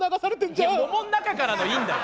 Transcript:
いや桃の中からのいいんだよ！